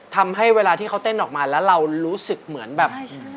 ทำให้เวลาที่เขาเต้นออกมาแล้วเรารู้สึกเหมือนแบบ